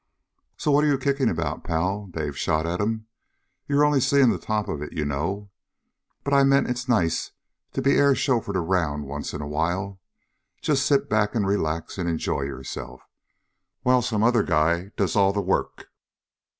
"So what are you kicking about, Pal?" Dave shot at him. "You're only seeing the top of it, you know. But I meant it's nice to be air chauffeured around once in a while. Just sit back and relax and enjoy yourself, while some other guy does all the work."